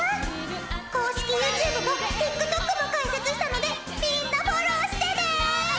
公式ＹｏｕＴｕｂｅとＴｉｋＴｏｋも開設したのでみんなフォローしてね！